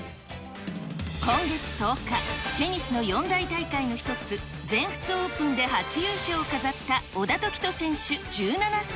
今月１０日、テニスの四大大会の一つ、全仏オープンで初優勝を飾った小田凱人選手１７歳。